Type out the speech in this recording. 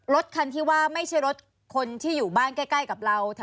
รถคันที่ว่าไม่ใช่รถคนที่อยู่บ้านใกล้กับเรา